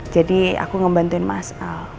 jadi aku ngebantuin mas al